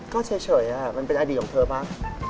ก็เฉยอะเป็นอดีตของเธอป่าว